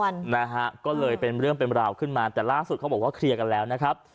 ช่วยเริ่มเป็นบรรดาขึ้นมาแต่ล่าสุดเขาบอกว่าเคลียร์กันแล้วนะครับ